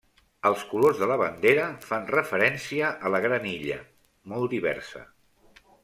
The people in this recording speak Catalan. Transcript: Els colors de la bandera fan referència a la Gran Illa, molt diversa.